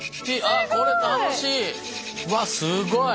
あっこれ楽しい。